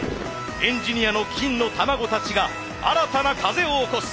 エンジニアの金の卵たちが新たな風を起こす。